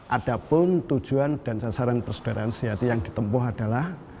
ada pun tujuan dan sasaran persaudaraan sejati yang ditempuh adalah